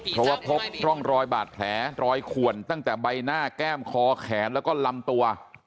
เพราะว่าพบร่องรอยบาดแผลรอยขวนตั้งแต่ใบหน้าแก้มคอแขนแล้วก็ลำตัว